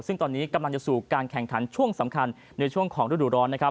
ซึ่งตอนนี้กำลังจะสู่การแข่งขันช่วงสำคัญในช่วงของฤดูร้อนนะครับ